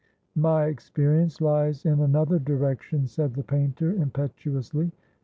"My experience lies in another direction," said the painter, impetuously.